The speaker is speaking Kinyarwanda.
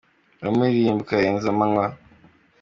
Uramuririmba ukarenza amanywa.